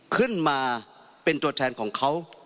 ขึ้นมาเป็นตัวแทนของเขา